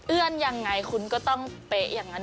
ยังไงคุณก็ต้องเป๊ะอย่างนั้น